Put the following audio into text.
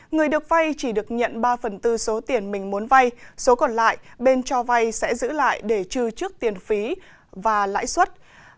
người được vây chỉ được nhận ba phần tư số tiền mình muốn vây số còn lại bên cho vây sẽ giữ lại để trừ trước tiền phí và lãi xuất